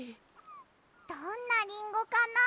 どんなリンゴかな。